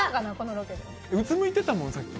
うつむいてたもん、さっき。